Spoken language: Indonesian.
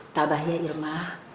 tak bahaya irma